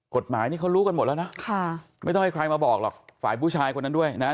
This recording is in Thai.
กฎหมายนี่เขารู้กันหมดแล้วนะค่ะไม่ต้องให้ใครมาบอกหรอกฝ่ายผู้ชายคนนั้นด้วยนะฮะ